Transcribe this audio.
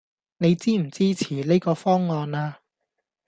你支唔支持呢個方案呀